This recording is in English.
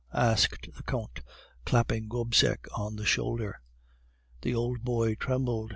asked the Count, clapping Gobseck on the shoulder. "The old boy trembled.